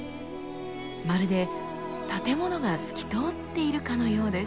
まるで建物が透き通っているかのようです。